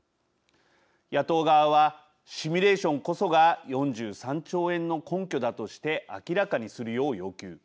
野党側はシミュレーションこそが４３兆円の根拠だとして明らかにするよう要求。